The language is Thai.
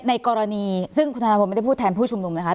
ในกรณีซึ่งคุณธนพลไม่ได้พูดแทนผู้ชุมนุมนะคะ